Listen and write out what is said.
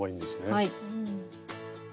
はい。